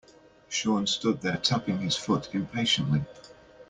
Sean stood there tapping his foot impatiently.